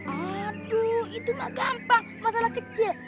aduh itu gak gampang masalah kecil